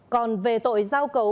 còn về tội giao cấu